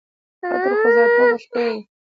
عطر خو ذاتاً خوشبویه وي.